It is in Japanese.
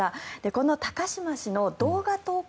この高島氏の動画投稿